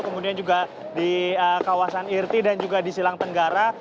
kemudian juga di kawasan irti dan juga di silang tenggara